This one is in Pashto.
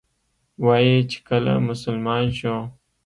وایي چې کله مسلمان شو.